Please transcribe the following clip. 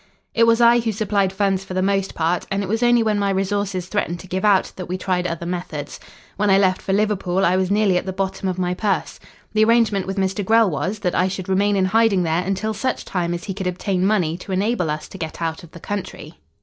"It was I who supplied funds for the most part, and it was only when my resources threatened to give out, that we tried other methods. When I left for Liverpool, I was nearly at the bottom of my purse. The arrangement with Mr. Grell was, that I should remain in hiding there until such time as he could obtain money to enable us to get out of the country.